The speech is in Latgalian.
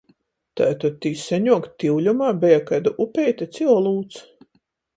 Taitod tī seņuok tiuļumā beja kaida upeite ci olūts.